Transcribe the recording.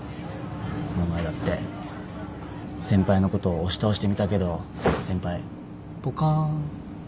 この前だって先輩のこと押し倒してみたけど先輩ぽかんって顔してましたし。